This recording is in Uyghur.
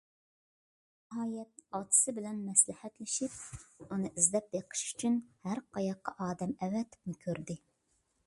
ناھايەت ئاتىسى بىلەن مەسلىھەتلىشىپ ئۇنى ئىزدەپ بېقىش ئۈچۈن ھەر قاياققا ئادەم ئەۋەتىپمۇ كۆردى.